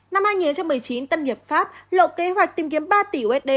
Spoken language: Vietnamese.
năm hai nghìn một mươi chín tân hiệp pháp lộ kế hoạch tìm kiếm ba tỷ usd